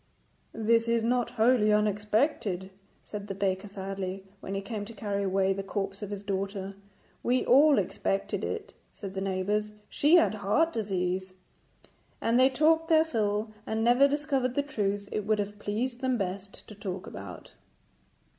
'This is not wholly unexpected,' said the baker sadly, when he came to carry away the corpse of his daughter. 'We all expected it,' said the neighbours; 'she had heart disease.' And they talked their fill, and never discovered the truth it would have pleased them best to talk about.